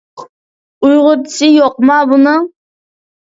ئۇيغۇرچىسى يوقما بۇنىڭ؟